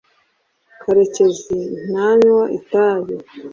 karekezi ntanywa itabi